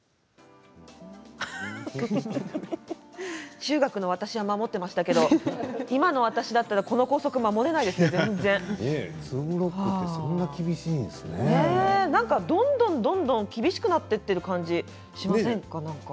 中学の私は守っていましたけど今の私だったらツーブロックってどんどんどんどん厳しくなっている感じがしませんか？